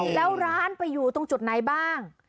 แล้วร้านไปอยู่ตรงจุดไหนบ้าง